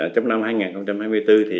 trong năm hai nghìn hai mươi bốn thì